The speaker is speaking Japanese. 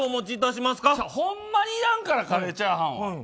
ほんまにいらんからカレーチャーハンは。